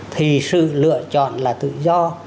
thì sự lựa chọn là tự do